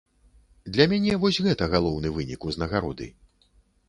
Для мяне вось гэта галоўны вынік узнагароды.